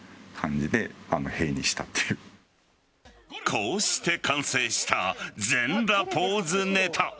こうして完成した全裸ポーズネタ。